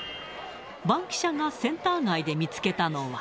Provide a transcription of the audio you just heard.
バンキシャ！がセンター街で見つけたのは。